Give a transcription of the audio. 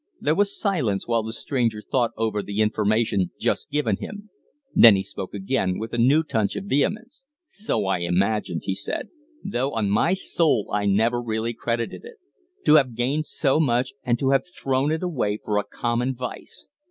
There was silence while the stranger thought over the information just given him. Then he spoke again, with a new touch of vehemence. "So I imagined," he said. "Though, on my soul, I never really credited it. To have gained so much, and to have thrown it away for a common vice!"